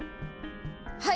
はい！